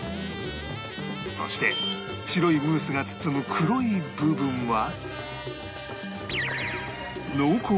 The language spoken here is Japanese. そして白いムースが包む黒い部分は